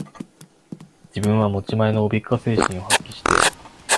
自分は持ち前のおべっか精神を発揮して、